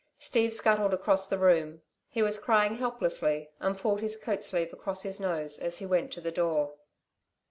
Steve scuttled across the room. He was crying helplessly, and pulled his coat sleeve across his nose as he went to the door.